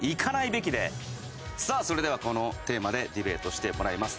さあそれではこのテーマでディベートしてもらいます。